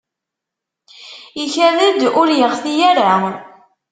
Ikad-d ur yeɣti ara.